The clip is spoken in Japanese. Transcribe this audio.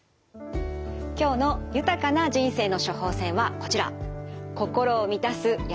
今日の豊かな人生の処方せんはこちら。